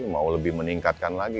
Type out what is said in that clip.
mau lebih meningkatkan lagi